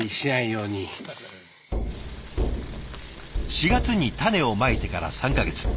４月に種をまいてから３か月。